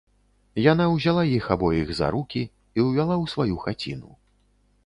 Яна ўзяла іх абоіх за рукі і ўвяла ў сваю хаціну